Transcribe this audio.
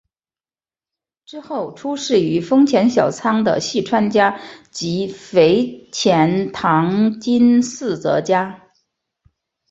之后出仕于丰前小仓的细川家及肥前唐津寺泽家。